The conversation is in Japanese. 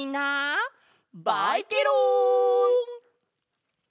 バイケロン！